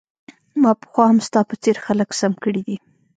ما پخوا هم ستا په څیر خلک سم کړي دي